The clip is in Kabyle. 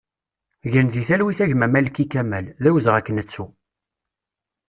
Gen di talwit a gma Malki Kamal, d awezɣi ad k-nettu!